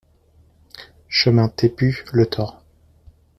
Chemin Tépu, Le Thor